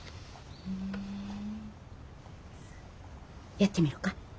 やってみるか？